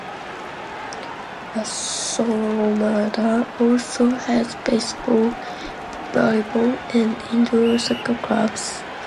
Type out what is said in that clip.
Assomada also has basketball, volleyball and indoor soccer clubs.